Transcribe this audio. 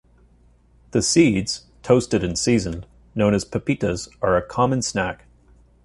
The seeds, toasted and seasoned, known as "pepitas", are a common snack.